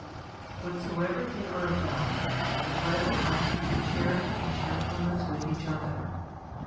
2. Whatsoever they are about, the brethren ought to be in charity and cheerfulness with each other.